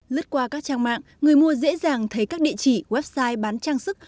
lứt qua các trang mạng người mua dễ dàng thấy các địa chỉ website bán trang sức